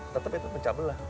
tetap itu mencabel lah